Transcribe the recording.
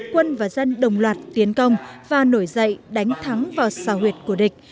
quân và dân đồng loạt tiến công và nổi dậy đánh thắng vào xào huyệt của địch